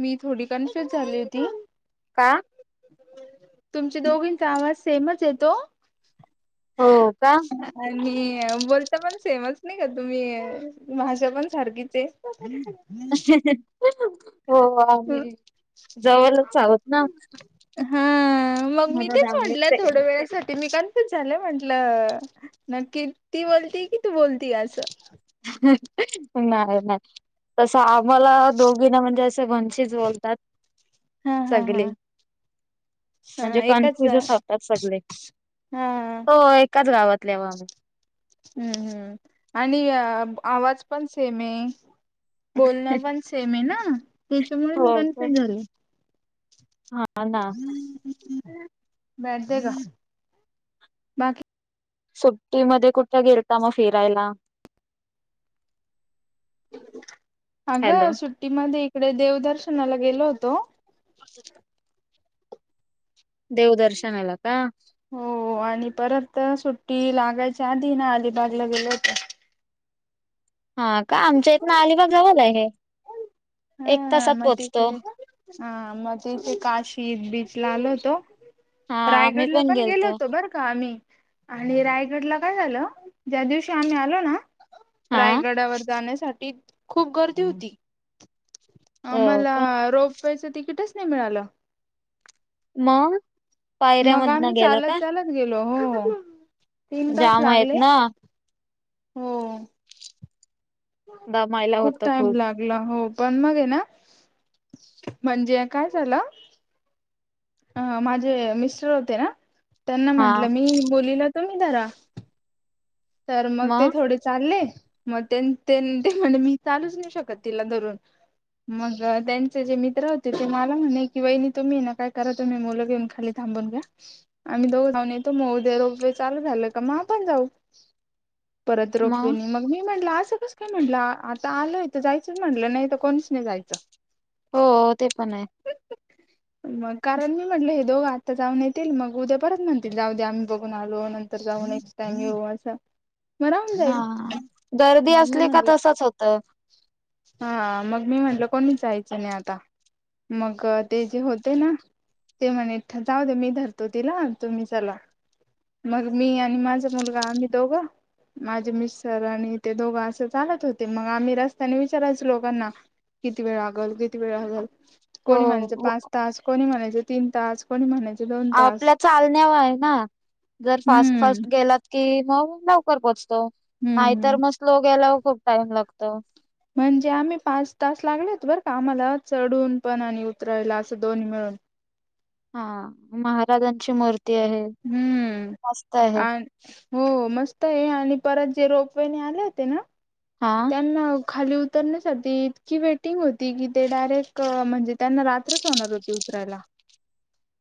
मी थोडी कन्फ्युज झाली होती. का? तुमचे दोघींचा आवाज सेमच येतो? हो का आणि बोलता पण सेमच. नाही का तुम्ही माझ्या पण सारखीच आहे. [inaudible] हो आम्ही जवळच आहोत ना. ह मग मी म्हणून तेच आम्ही म्हटलं सेम. थोडा वेळासाठी मी कन्फ्युज झाले म्हण लं नक्की ती बोलती कि तू बोलती असं? नाही नाही तस मला दोघीना म्हणजे असं [inaudible] बोलतात हा हा हा सगली म्हणजे हा एकाच हा कन्फ्युजच होतात सगले. हो एकाच गावातले व आम्ही हम्म हम्म आणि अ आवाज पण सेमे. बोलणं पण सेम आहे ना त्याच्यामुळे हो मी काय कन्फ्युज झाले. हा ना [inaudible] का बाकी सुट्टीमध्ये कुठे गेलता मग फिरायला? हॅलो अगं सुट्टीमध्ये इकडे देवदर्शनाला गेलो होतो. देव दर्शनला का? हो आणि परत सुट्टी लागायच्या आधी ना अलिबागला गेलो होतो. हा का आमच्या इथनं अलिबाग जवल आहे. हा एक तासात म पोहोचतो तिकडे ह म इथ काशी एक बी ला आलो होतो, हा आम्ही रायगडला पण गेलो गेलतो होतो बरं का आम्ही. आणि रायगडला काय झालं ज्या दिवशी आम्ही आलो ना? हा रायगडावर जाण्यासाठी खूप गर्दी होती. हो आम्हाला का रोपवेच तिकिटच नाही मिळालं. मंग? मग आम्ही चालत चालत गेलो हो हो तीन तास जाम आहेत लागले. ना हो दमायला खूप होतं टाइम लागला हो पण मग ये ना म्हणजे काय झालं, अ माझे मिस्टर होते ना त्यांना हा म्हंटलं मी मुलीला तुम्ही धरा. तर मग ते थोडे चालले, मग तेन् तेन् ते म्हणे मी चालूच नाही शकत तिला धरून. मग त्यांचे जे मित्र होते ते मला म्हणे की वहिणी तुम्ही ना काय करा तुम्ही मुलं घेऊन खाली था थांबून घ्या, आम्ही दोघं जाऊन येतो मग उद्या रोपवे चालू झालं का मग आपण जाऊ. परत रोपवेनी मग मी म्हटलं, आज असं कसं काय म्हटलं आता आलय तर जायचंच म्हटलं नाही तर कोणीच नाही जायचं. हो ते पण आहे मग कारण मी म्हटलं हे दोघं आत्ता जाऊन येतील मग उद्या परत म्हणतील जाऊ द्या आम्ही बघून आलो अन् तर काऊून एकथँ्यू [unintelligible] हा गर्दी मग मी असली का म्हणलं तसच होतं. हा मग मी म्हटलं कोणी जायच नाही आता. मग ते जे होते ना. ते म्हणे जाऊ दे मी धरतो तिला तुम्ही चला. मग मी आणि माझा मुलगा आम्ही दोघं. माझे मिस्टर आणि ते दोघं असं चालत होते, मग आम्ही रस्त त्यांनी विचारायचं लोकांना किती वेळ लागल किती वेळ लागल. कोणी म्हणाचं हो पाच तास कोणी म्हणायच तीन तास कोणी म्हणायच? आपल्या चालण्यावर आहे, ना जर फास्ट हम्म फास्ट गेलात. कि मग लवकर पोहोचतो हम्म हम्म नाहीतर मग स्लो गेल्यावर खूप टाइम लागत. म्हणजे आम्ही पाच तास लागलेत बरं का, आम्हाला चढून पण आणि उतरायला असं दोन्ही मिळून. ह हा महाराजांची मूर्ती. आहे हम्म मस्त आहे अ हो मस्त आहे, आणि. परत जे रोपवेने आले होते, ना हा त्यांना. खाली उतरण्यासाठी इतकी वेटिंग होती की, ते डायरेक्ट म्हणजे त्यांना रात्रच होणार होती. चला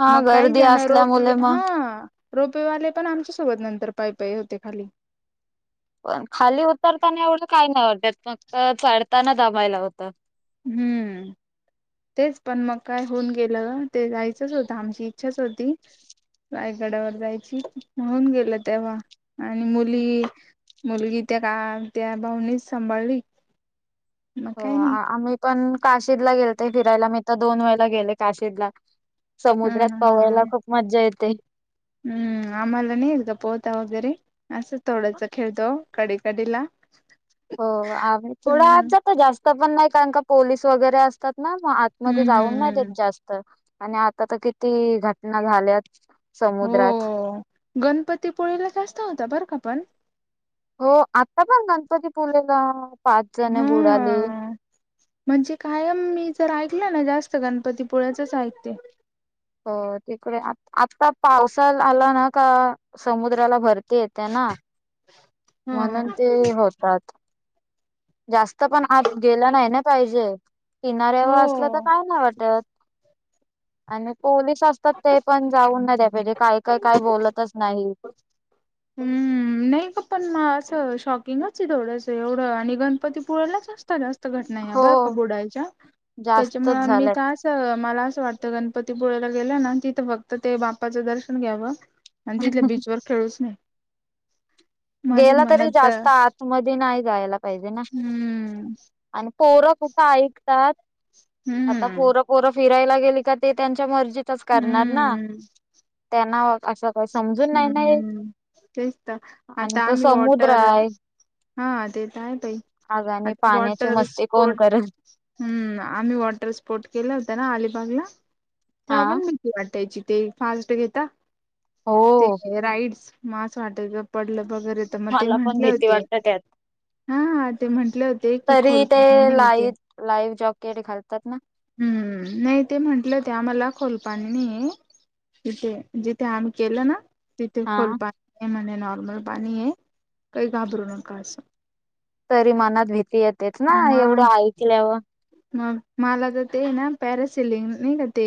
हा मग काही गर्दी जण रोपवे असल्यामुळे मग हा. रोपवेवाले पण आमच्या सोबत नंतर पाय, पाय होते खाली. पण खाली उतरताना एवढं काय नाही वाटतात मग चढताना दमायला होतं. हम्म, तेच पण मग काय होऊन गेलं ते जायचंच होतं आमची इच्छाच होती. रायगड्यावर जायची म्हणून गेलं तेव्हा. आणि मुली मुलगी त्या का त्या भाऊनेच सांभाळली. मग हो काय नाही आमी पण काशीद ला गेलते फिरायला मी तर दोन वेळेला गेले काशीदला. हा समुद्रात हा हा हा पाहायला खूप मजा येते. हम्म आम्हाला नाहीगं पोहता वगैरे असं थोडंच खेळतो कडे कडेकडे ला. हो थोडं आत जात जास्त पण नाही कारण का पोलीस वगैरे असतात. ना मग आतमध्ये हम्म जाऊन हम्म ना हम्म देत जास्त आणि आता तर किती घटना झाल्यात. हो समुद्रात गणपतीपोळीला जास्त होता बरं का पण. हो आता पण गणपतीपुलेला पाच जण बुडाली. हा म्हणजे कायम मी जर ऐकलं ना जास्त गणपतीपोळ्याचच ऐकते. हो तिकडे आत्ता पावसा आला ना का समुद्राला भरती. ते येते ना म्हणून ह ते होतात. जास्त पण आत गेला नाही ना पाहिजे. किनाऱ्यावर असलं तर हो काय नाही वाटत आणि. पोलीस असतात ते पण जाऊन ना त्या पाहिजे काय काय काय बोलतच नाही. हम्म. नाही का पण असं शॉकिंगच आहे, ते एवढ एवढं आणि गणपती पुुळेलाच असत जास्त. घ हो ब का बडायच्या जास्तच त्याच्यामुळे मी झालंय त मला. वाटतं गणपतीपुळे्याला गेलं ना तिथं फक्त ते बाप्पाचं दर्शन घ्यावं. आणि तिथे बीच वर खेळूच नाही. माझ्या गेला तरी मनात तर जास्त आतमध्ये नाही जायला पाहिजे ना हम्म आणि. पोरं कुठं ऐकतात आता हम्म पोरं, पोरं फिरायला गेली का ते त्यांच्या मर्जीन. तिथेच करणार ना हम्म त्यानं. हम्म हम् तेच तर. आता आणि तो आम्ही समुद्र वॉटर आहे. हा ते तर [unintelligible] आहे पई. आगाने आता पाण्याची वॉटर मस्ती कोण स्पोर्ट करल हम्म आम्ही वॉटर स्पोर्ट केला होता. अलिबागला हा तेव्हा पण भीती वाटायची ते फास्ट घेता. ते हो राईड्स मासं वाटे पडलं. वगैरे तर मग ते मला पण म्हटले भीती होते. वाटत त्यात हा ते म्हंटले होते कि तरी खोल ते पाणी आहे ना इथे लाईव्ह लाईव्ह जॉकेट घालतात ना हम्म नाही ते म्हंटलं ते आम्हाला खोल पाणी नईये. तिथे जिथे आम्ही केलं ना. तिथे हा खोल पाणी नाहिये म्हणे नॉर्मल पाणी हे काही घाबरू नका असं. तरी मनात भीती येतेेच ना मग एवढं ऐकल्यावर. मग मला तर ते ना पॅरासिलिंग नाही का ते.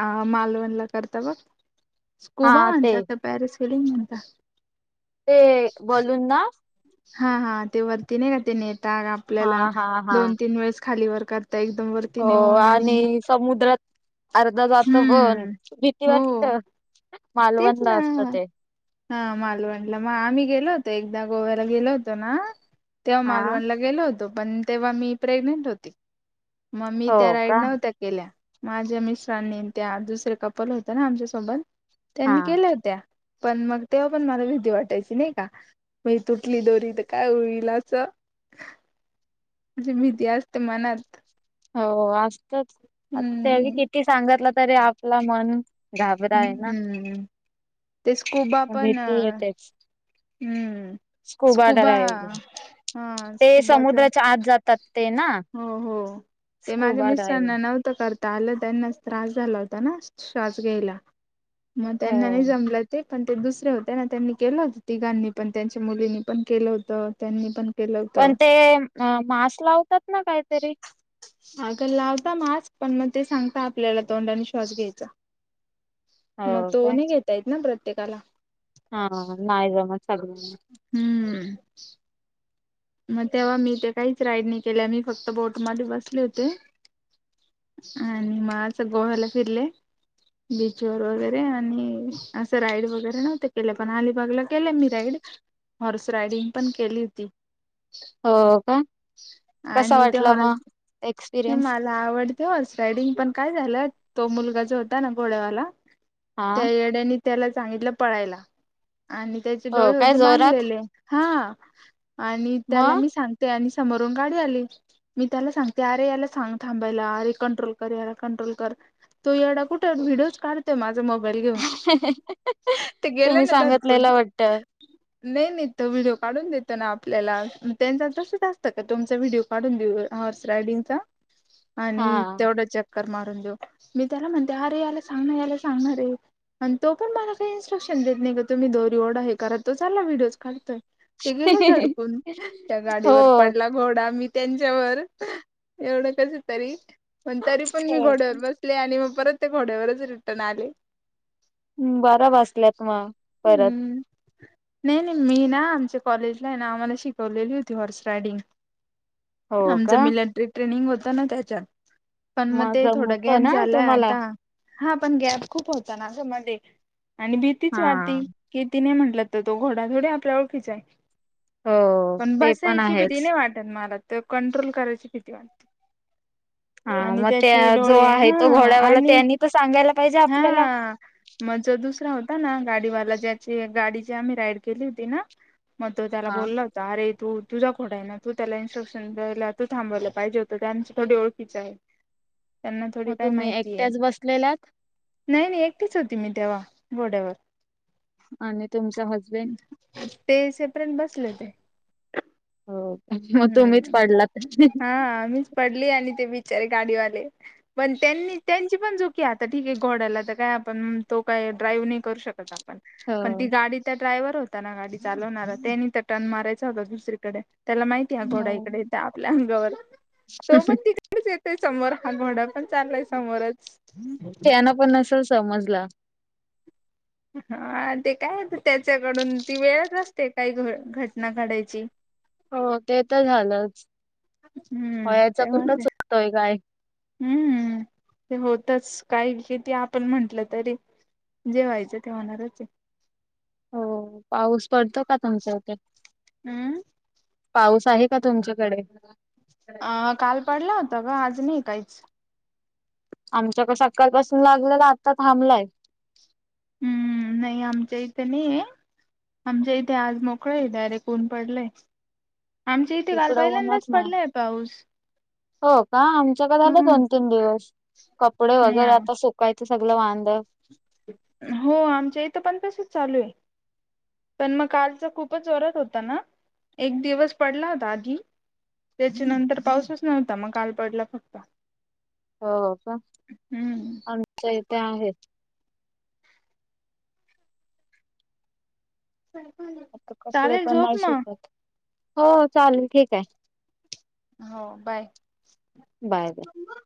अ मालवणला करतावा. स्कूबा हा ते म्हणतात तर पॅरा स्लिडिंग म्हणतात? ते बलून ना? हा हा ते वरती नाही का नता हा आपल्याला हा हा दोन तीन वेळेस खाली वर कर हो आणि समुद्रात. अर्धा जात पण हम्म भीती हो वाटत तेच मालवणला असत ना ते. हा मालवणला मग आम्ही गेलो होतो एकदा गोव्याला गेलो होतो ना. तेव्हा हा मालवणला गेलो होतो पण तेव्हा मी प्रेग्नेंट होती. मग मी त्या हो राईड का नव्हत्या केल्या. माझ्या मिस्रांनी त्या दुसरे कपल होत ना आमच्यासोबत हा त्यांनी केल्या होत्या. पण मग तेव्हा पण मला भीती वाटायची नाही का मी तुटली दोरी तर काय उईल असं. [inaudible] म्हणजे भीती असते मनात. हो असतच आता त्या हम्म किती सांगितलं तरी आपलं मन घाबर आहे ना हम्म ते स्कुबा पण भीती येतेच. हम्म. स्कुबाड स्कुबा राहि हा ते स्कुबाच समुद्राच्या आत जातात ते ना. हो हो ते माझ्या स्कूबा ड्रायविंग मिस्रांना नव्हतं करत. ता आलं त्यांनाच त्रास झाला होता ना श्वास घ्यायला मग त्यांना नाही हो जमलं ते. पण ते दुसरे होते ना त्यांनी केलं होत तिघांनी पण त्यांच्या मुलींनी पण केलं होतं त्यांनी पण. केलं पण होतं ते मास्क लावतात ना काहीतरी. अग लावता मास्क पण मग ते सांगता आपल्याला तोंडाने श्वास घ्यायचा. हो मग तो काय न घेता येत ना प्रत्येकाला. हा ना म नाई जमत सगळ्यांना हम्म. मग तेव्हा मी ते काहीच राईड नाही केल्या मी फक्त बोटमध्ये बसले होते. आणि म असं गोव्याला फिरले. बीचवर वगैरे आणि असं राईड वगैरे नव्हत केलं पण अलिबागला केलं मी राईड हॉर्स रायडिंग पण केली होती. हो का कस वाटलं मग? नई एक्सपिरियन्स मला आवडते हॉर्स रायडिंग पण काय झालं तो मुलगा जो होता ना घोडेवाला हा त्या येड्यानी त्याला सांगितलं पळायला. आणि त्याचे हो डोळे काय होते जोरात बांधलेले हा आणि त्याला मग मी सांगते आणि समोरून गाडी आली मी त्याला सांग त्यार याला सांग थांबायला अरे कंट्रोल कर याला कंट्रोल कर. तो येडा कुठ व्हडिओज काढतेय माझ मोबाईल घेऊन ते तुम्ही गेलं ना धडपून सांगितलेलं वाटत नाही नाही तर व्हिडिओ काढून देत ना आपल्याला त्यांच तसं जा असतं का तुमचा व्हिडिओ काढून देऊ अस राडिंग आणि हा तेवढा चक मारून देऊ मी त्याला म्हणते अरे याला सांग ना याला सांगना रे. आणि तो पण मला काही इनस्ट्रक्शन देत नाही का तुम्ही दोरी ओढा हे करा तो चालला व्हिडिओज काढतोय ते गेलं धडकून त्या हो गाडीवर पडला घोडा मी त्यांच्यावर एवढं कच आहे तरी पण तरी पण मी हो. घोड्यावर बसले आणि मग परत त्या घोड्यावरच रिटर्न आले. हम् बारा वाजल्यात मग परत. हम्म नाही, नाही मी ना आमच्या कॉलेजला आहे ना आम्हाला शिकवलेली होती हॉर्स रायडिंग. हो हो का? मिलटरी ट्रेनिंग होत ना त्याच्यात पण मग ते थोड जमतो गॅप ना झालाय तुम्हाला आता हा पण गॅप खूप होता ना गं मध्ये आणि भीतीच हा वाढती कि ति नाही म्हणते. आपल तर तो घोडा थोडी आपल्या ओळखीचा आहे. हो [inaudible] पण ते बसायची भीती आहेच नाही वाटल मला तर कंट्रोल करायची किती वाटते. हा आणि मग त्याचे त्या जो डोळे आहे हा तो घोड्यावाला आणि त्यांनी तर सांगायला पाहिजे आपल्याला [inaudible] हा मग जो दुसरा होता ना गाडीवाला ज्याची गाडीची आम्ही राईड केली होती ना मग तो त्याला हा बोलला होता अरे तू तुझा घोडा आहे ना तू त्याला इन्स्ट्रक्शन [unintelligible] तू थांबवल पाहिजे होतं त्यांच थोडी ओळखीच आहे. त्यांना थोडी मग काय तुम्ही माहिती आहे. एकट्याच बसलेलात नाही, नाही एकटीच होती मी तेव्हा. घोड्यावर. [inaudible] आणि तुमचा हजबेंड तेसेपरेट बसले होते. हो मग तुम्हीच हम्म पडलात. हा मीच पडली आणि ते बि चारे गाडीवाले पण त्यांनी त्यांची पण चुकी आहे आता ठीक आहे घोड्याला तर काय आपण तो काय ड्राईव्ह नाही करू शकत आ पण पण ती हो गाडीचा ड्रायव्हर होता ना गाडी चालवणारा त्यांनी तर टर्न मारायच होता दुसरीकडन. त्याला माहिती आहे घोडा इकडे येतो आपल्या अंगावर. तो पण तिकडेच [inaudible] येतोय समोर हा घोडा पण चाललाय समोरच. त्यान पण नसल समजल. हा ते काय त्याच्याकडून ती वेळच असते काही घ-घटना घडायची. हो ते तर झालंच हो हम्म याचा कुठला तेव्हाच चुकतोय काय? हम्म, ते होतच काही किती आपण म्हंटलं तरी. जे व्हायचं ते होणारच आहे. हो पाऊस पडतो का तुमच्या इथे? हम्म [inaudible] पाऊस आहे का तुमच्याकडे? अ काल पडला होता ग. आज नाही काहीच. आमच्याक सकाळपासून लागलेला आता थांबलाय. हम्म, नाही आमच्या इथ नाहीये. आमच्या इथे आज मोकळेय डायरेक्ट ऊन पडलय. आमच्या इथे काल तिकडं ऊनच पहिल्यांदाच नाही. पडलाय पाऊस. हो का? आमच्याक झाल हम्म दोन, तीन दिवस कपडे वगैरे नाही आता सुकायचं सगळ वां [inaudible] हो आमच्या इथं पण तसच चालू आहे. पण मग कालचा खूपच जोरात होता ना. एक दिवस पडला होता आधी. त्याच्या नंतर पाऊसच नव्हता मग काल पडला फक्त. हो का? हम्म [inaudible] आमच्या इथे आहेत. आता कपडे चालेल पण झोप नाही मग शिकत. हो चालेल ठीक आहे. हो बाय बाय. [inaudible] मम्मा